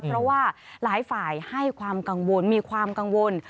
เพราะว่าหลายฝ่ายให้ความกังวลมีความกังวล